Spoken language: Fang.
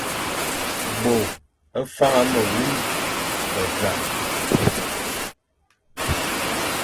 Bo faña me wume, ke zame,